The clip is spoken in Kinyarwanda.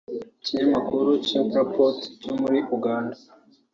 Ikinyamakuru Chimpreports cyo muri Uganda